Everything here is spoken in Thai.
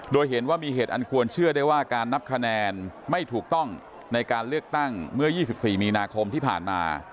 โดยเห็นว่ามีเหตุอันควรเชื่อได้ว่าการนับคะแนนไม่ถูกต้องในการเลือกตั้งเมื่อ๒๔มีนาคมที่ผ่านมา